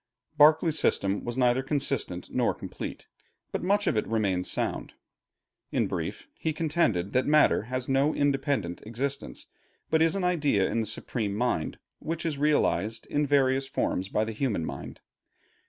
Berkeley's system was neither consistent nor complete, but much of it remains sound. In brief, he contended that matter has no independent existence, but is an idea in the supreme mind, which is realized in various forms by the human mind.